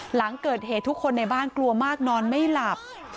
หลังเกิดเหตุทุกคนในบ้านกลัวมากนอนไม่หลับ